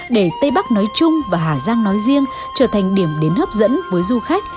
để tây bắc nói chung và hà giang nói riêng trở thành điểm đến hấp dẫn với du khách